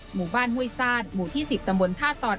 หมู่บ้านห้วยซานหมู่ที่๑๐ตำบลท่าตอน